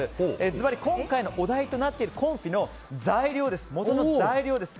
ズバリ今回のお題となっているコンフィのもとの材料です。